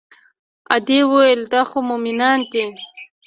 ادې وويل دا خو مومنان دي.